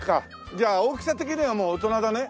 じゃあ大きさ的にはもう大人だね。